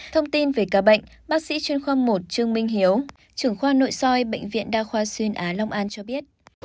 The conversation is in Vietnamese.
thông tin về ca bệnh bác sĩ chuyên khoa một trương minh hiếu trưởng khoa nội soi bệnh viện đa khoa xuyên á long an cho biết